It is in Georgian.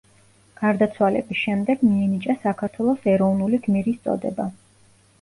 გარდაცვალების შემდეგ მიენიჭა საქართველოს ეროვნული გმირის წოდება.